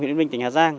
huyện bình tỉnh hà giang